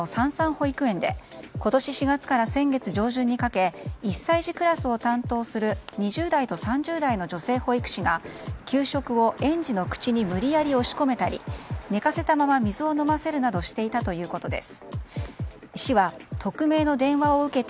保育園で今年４月から先月上旬にかけ１歳児クラスを担当する２０代と３０代の女性保育士が給食を園児の口に無理やり押し込めたり寝かせたまま水を飲ませるなどしていたということです。